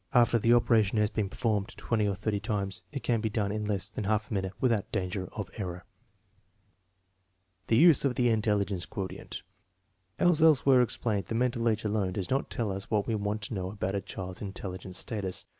After the operation 140 THE MEASUEEMENT OF INTELLIGENCE has been performed twenty or thirty times, it can be done in less than a half minute without danger of error. The use of the intelligence quotient. As elsewhere ex plained, the mental age alone does not tell us what we want to know about a child's intelligence status.